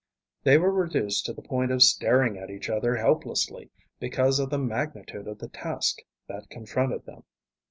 They were reduced to the point of staring at each other helplessly because of the magnitude of the task that confronted them.